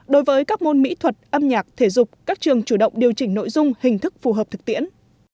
đối với các môn mỹ thuật âm nhạc thể dục các trường chủ động điều chỉnh nội dung hình thức phù hợp thực tiễn